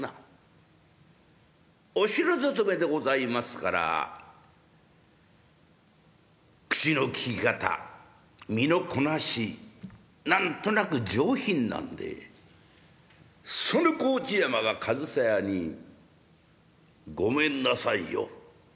お城勤めでございますから口の利き方身のこなし何となく上品なんでその河内山が上総屋に「ごめんなさいよ」。